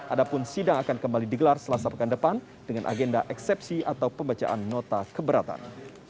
adapun sidang akan kembali digelar selasa pekan depan dengan agenda eksepsi atau pembacaan nota keberatan